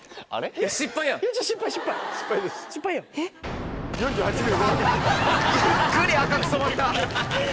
ゆっくり赤く染まった。